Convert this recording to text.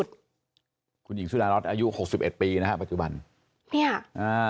คุณหญิงสุดารัฐอายุหกสิบเอ็ดปีนะฮะปัจจุบันเนี่ยอ่า